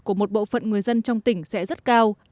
của một bộ phận người dân trong tỉnh sẽ rất cao